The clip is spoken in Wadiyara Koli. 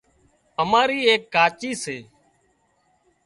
اماري ايڪ ڪاچي سي